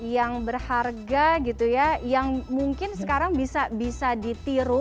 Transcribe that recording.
yang berharga yang mungkin sekarang bisa ditiru